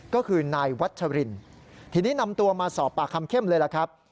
ก็คือนายวัชรินทีนี้นำตัวมาสอบปากคำเข้มเลยล่ะครับ